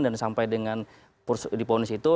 dan sampai dengan di polisi itu